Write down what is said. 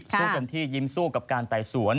เต็มที่ยิ้มสู้กับการไต่สวน